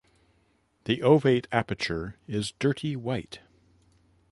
The ovate aperture is dirty white.